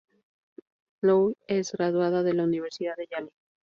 Lloyd es graduado de la universidad de Yale